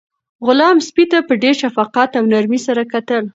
غلام سپي ته په ډېر شفقت او نرمۍ سره کتل.